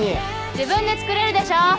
自分で作れるでしょ！